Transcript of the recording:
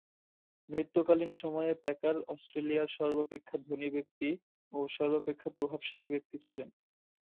মৃত্যুকালীন সময়ে প্যাকার অস্ট্রেলিয়ার সর্বাপেক্ষা ধনী ব্যক্তি ও সর্বাপেক্ষা প্রভাবশালী ব্যক্তি ছিলেন।